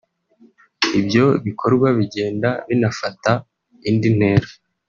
Ibyo bikorwa bigenda binafata indi ntera